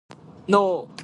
Nope!